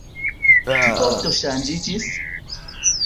Kio do ŝanĝiĝis?